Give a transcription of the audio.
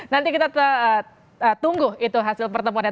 nanti kita tunggu itu hasil pertemuannya